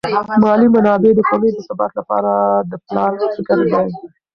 مالی منابع د کورنۍ د ثبات لپاره د پلار فکر دي.